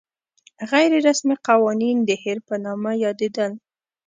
غیر رسمي قوانین د هیر په نامه یادېدل.